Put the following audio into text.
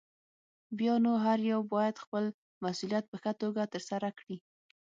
بيا نو هر يو بايد خپل مسؤليت په ښه توګه ترسره کړي.